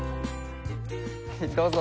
どうぞ。